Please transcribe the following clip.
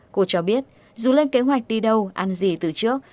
cô cho biết dù lên kế hoạch đi đâu ăn gì từ trước